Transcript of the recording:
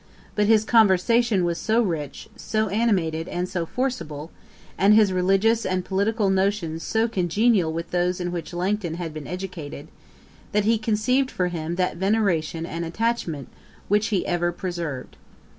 But his conversation was so rich, so animated, and so forcible, and his religious and political notions so congenial with those in which Langton had been educated, that he conceived for him that veneration and attachment which he ever preserved.